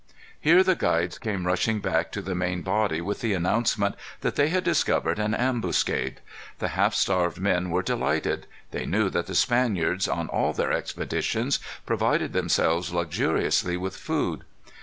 Here the guides came rushing back to the main body with the announcement that they had discovered an ambuscade. The half starved men were delighted. They knew that the Spaniards, on all their expeditions, provided themselves luxuriously with food.